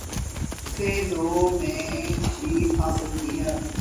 سے دو میں جیت حاصل کی ہے